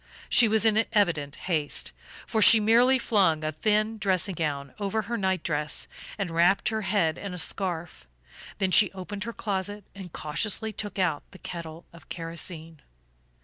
She was in evident haste, for she merely flung a thin dressing gown over her night dress and wrapped her head in a scarf; then she opened her closet and cautiously took out the kettle of kerosene.